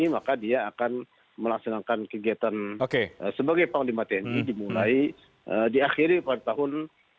maka dia akan melaksanakan kegiatan sebagai panglima tni dimulai diakhiri pada tahun dua ribu dua puluh